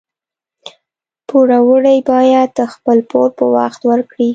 پوروړي باید خپل پور په وخت ورکړي